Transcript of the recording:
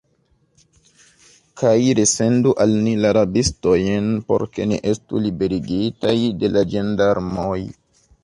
Kaj resendu al ni la rabistojn, por ke ni estu liberigitaj de la ĝendarmoj!